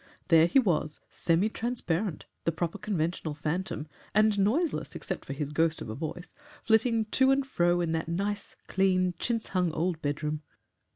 There he was, semi transparent the proper conventional phantom, and noiseless except for his ghost of a voice flitting to and fro in that nice, clean, chintz hung old bedroom.